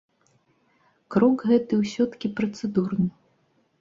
Крок гэты ўсё-ткі працэдурны.